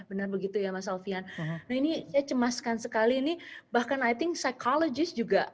benar begitu ya mas alfian ini saya cemaskan sekali ini bahkan i think psychologist juga